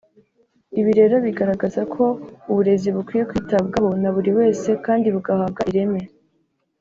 Ibi rero bigaragaza ko uburezi bukwiye kwitabwaho na buri wese kandi bugahabwa ireme